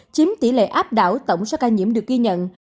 chiếm tỷ lệ áp đảo tổng số ca nhiễm được ghi nhận